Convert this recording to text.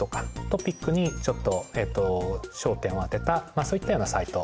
トピックにちょっと焦点を当てたそういったようなサイトですね。